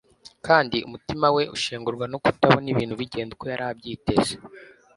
kandi umutima we ushengurwa no kutabona ibintu bigenda uko yari abyiteze